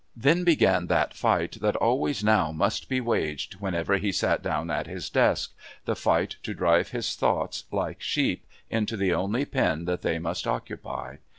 Then began that fight that always now must be waged whenever he sat down at his desk, the fight to drive his thoughts, like sheep, into the only pen that they must occupy.